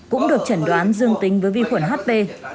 cũng được chẩn đoán dương tính với vi khuẩn hp